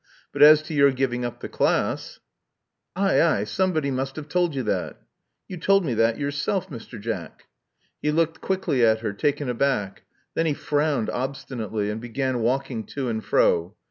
But as to your giving up the class " *'Aye, aye. Somebody nwist have told you that." •*You told me that yourself, Mr. Jack." He looked quickly at her, taken aback. Then he frowned obstinately, and began walking to and fro.